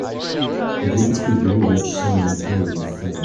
A group of people watch someone play with fire.